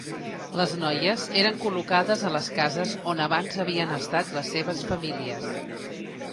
Les noies eren col·locades a les cases on abans havien estat les seves famílies.